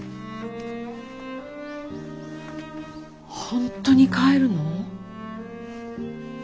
本当に帰るの？